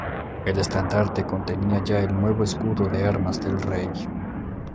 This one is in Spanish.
El estandarte contenía ya el nuevo escudo de armas del Rey.